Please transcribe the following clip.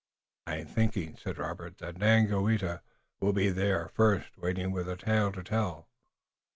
"I'm thinking," said Robert, "that Daganoweda will be there first, waiting with a tale to tell."